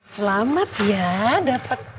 selamat ya dapet